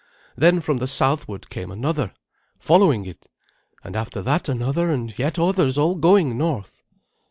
Then from the southward came another, following it, and after that another, and yet others, all going north.